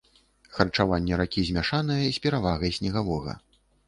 Харчаванне ракі змяшанае, з перавагай снегавога.